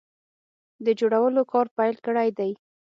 د جوړولو کار پیل کړی دی